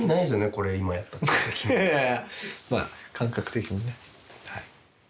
まあ感覚的にねはい。